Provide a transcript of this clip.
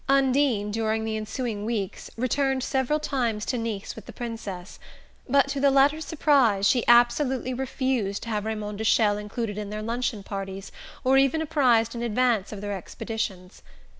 Undine, during the ensuing weeks, returned several times to Nice with the Princess; but, to the latter's surprise, she absolutely refused to have Raymond de Chelles included in their luncheon parties, or even apprised in advance of their expeditions.